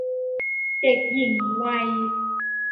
เด็กหญิงวัย